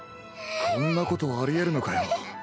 こんなことあり得るのかよ